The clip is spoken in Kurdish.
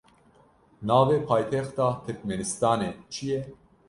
Navê paytexta Tirkmenistanê çi ye?